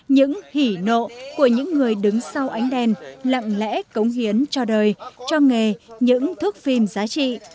những hỉ nộ của những người đứng sau ánh đèn lặng lẽ cống hiến cho đời cho nghề những thước phim giá trị